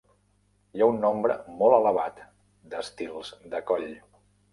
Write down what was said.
Hi ha un nombre molt elevat d'estils de coll.